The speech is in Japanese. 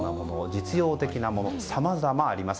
実用的なものさまざまあります。